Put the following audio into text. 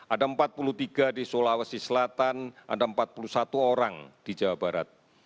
ada empat puluh tiga di sulawesi selatan ada empat puluh satu orang di jawa barat